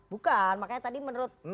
bukan makanya tadi menurut pak hasim